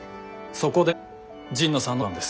そこで神野さんの出番です。